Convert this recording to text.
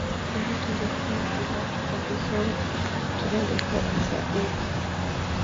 The writers were fond enough of the song to name the show after it.